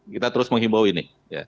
kita terus menghimbau ini